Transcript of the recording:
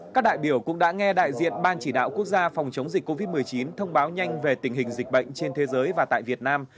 các đại biểu cũng đã nghe đại diện ban chỉ đạo quốc gia phòng chống dịch covid một mươi chín thông báo nhanh về tình hình dịch bệnh trên thế giới và tại việt nam